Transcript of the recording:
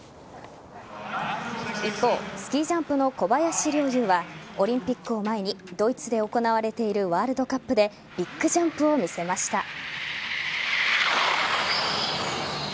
一方スキージャンプの小林陵侑はオリンピックを前にドイツで行われているワールドカップでビッグジャンプを見せました。